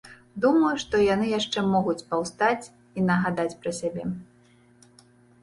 Думаю, што яны яшчэ могуць паўстаць і нагадаць пра сябе.